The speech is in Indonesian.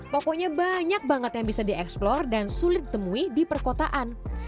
pokoknya banyak banget yang bisa di explore dan sulit temui di perkotaan